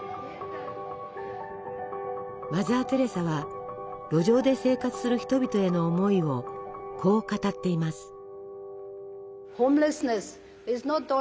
マザー・テレサは路上で生活する人々への思いをこう語っています。